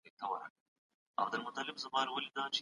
ايا انلاين درس د ټکنالوژۍ پر وسايلو ولاړ وي؟